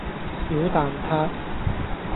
小蛋撻